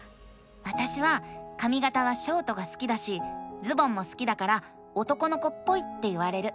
わたしはかみがたはショートが好きだしズボンも好きだから男の子っぽいって言われる。